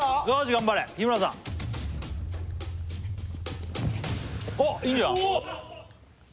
頑張れ日村さんあっいいんじゃない？